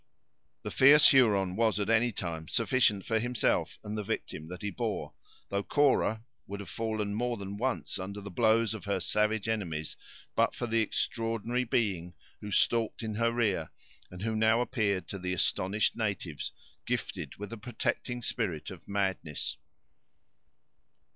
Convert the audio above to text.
The fierce Huron was, at any time, sufficient for himself and the victim that he bore; though Cora would have fallen more than once under the blows of her savage enemies, but for the extraordinary being who stalked in her rear, and who now appeared to the astonished natives gifted with the protecting spirit of madness.